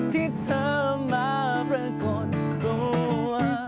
ที่เธอมาปรากฏตัว